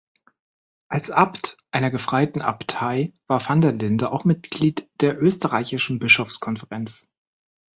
Als Abt einer Gefreiten Abtei war van der Linde auch Mitglied der Österreichischen Bischofskonferenz.